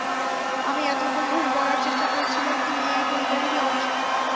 আমি এতক্ষণ ধরে বলার চেষ্টা করছিলাম তুমি এই পরিবারেরই অংশ।